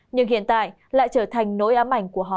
nhưng hiện tại lại trở thành nỗi ám ảnh của họ